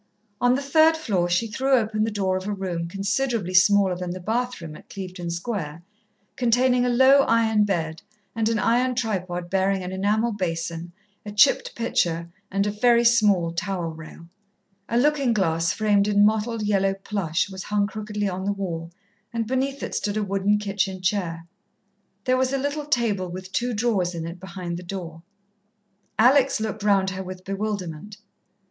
On the third floor she threw open the door of a room considerably smaller than the bath room at Clevedon Square, containing a low iron bed, and an iron tripod bearing an enamel basin, a chipped pitcher and a very small towel rail. A looking glass framed in mottled yellow plush was hung crookedly on the wall, and beneath it stood a wooden kitchen chair. There was a little table with two drawers in it behind the door. Alex looked round her with bewilderment.